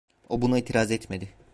O, buna itiraz etmedi.